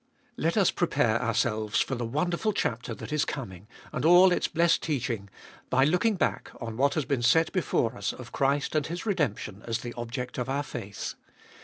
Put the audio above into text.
Let us prepare ourselves for the wonderful chapter that is coming, and all its blessed teaching, by looking back on what has been set before us of Christ and His redemption as the object of our faith.